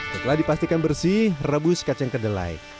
setelah dipastikan bersih rebus kacang kedelai